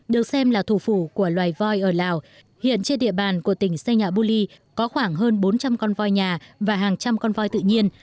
được xem là thủ phủ của loài voi ở lào hiện trên địa bàn của tỉnh xây nhà bu ly có khoảng hơn bốn trăm linh con voi nhà và hàng trăm con voi tự nhiên